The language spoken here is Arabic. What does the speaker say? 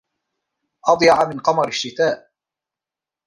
أضيع من قمر الشتاء